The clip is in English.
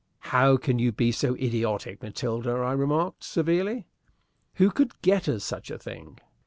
"How can you be so idiotic, Matilda," I remarked, severely. "Who could get us such a thing?"